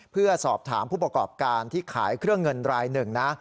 เพื่อสอบถามผู้ประกอบการที่ขายเครื่องเงินรายหนึ่งนะ